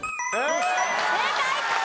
正解！